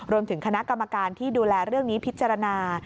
รวมถึงคณะกรรมการที่ดูแลเรื่องนี้พิจารณา